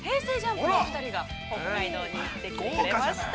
ＪＵＭＰの２人が北海道に行ってきました。